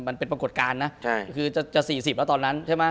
ปรากฏการณ์นะคือจะ๔๐แล้วตอนนั้นใช่ไหม